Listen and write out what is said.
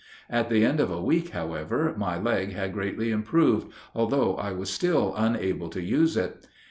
At the end of a week, however, my leg had greatly improved, although I was still unable to use it.